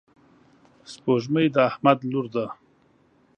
سپوږمۍ د احمد لور ده.